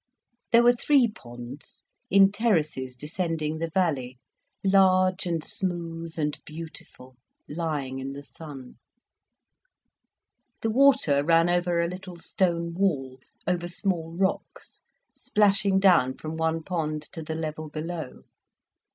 There were three ponds, in terraces descending the valley, large and smooth and beautiful, lying in the sun. The water ran over a little stone wall, over small rocks, splashing down from one pond to the level below.